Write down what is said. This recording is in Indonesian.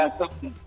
ya jadi kalau